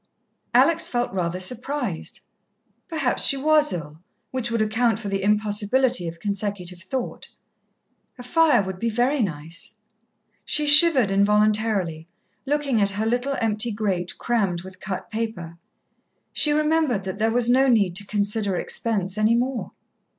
Alex felt rather surprised. Perhaps she was ill, which would account for the impossibility of consecutive thought. A fire would be very nice. She shivered involuntarily, looking at her little empty grate crammed with cut paper. She remembered that there was no need to consider expense any more.